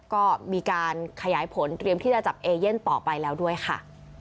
ก็มีการขยายผลเตรียมที่จะจับเอเย่นต่อไปแล้วด้วยค่ะ